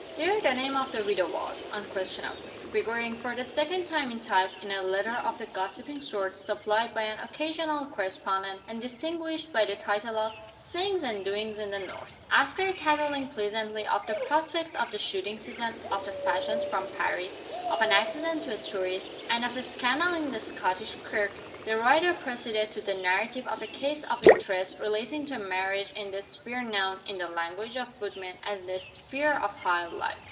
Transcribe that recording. There the name of the widow was, unquestionably; figuring for the second time in type, in a letter of the gossiping sort, supplied by an "Occasional Correspondent," and distinguished by the title of "Sayings and Doings in the North." After tattling pleasantly of the prospects of the shooting season, of the fashions from Paris, of an accident to a tourist, and of a scandal in the Scottish Kirk, the writer proceeded to the narrative of a case of interest, relating to a marriage in the sphere known (in the language of footmen) as the sphere of "high life."